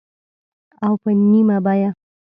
او په نیمه بیه